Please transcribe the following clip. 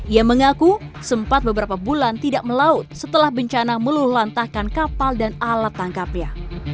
ia mengaku sempat beberapa bulan tidak melaut setelah bencana meluhlantahkan kapal dan alat tangkapnya